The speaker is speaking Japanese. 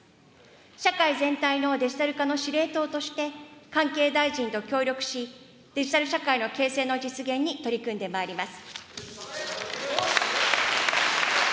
社会全体のデジタル化の司令塔として、関係大臣と協力し、デジタル社会の形成の実現に取り組んでまいります。